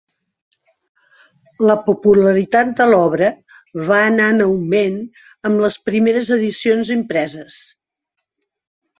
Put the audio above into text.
La popularitat de l'obra va anar en augment amb les primeres edicions impreses.